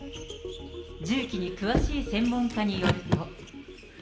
銃器に詳しい専門家によると。